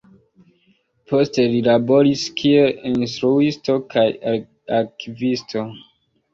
Poste li laboris kiel instruisto kaj arkivisto.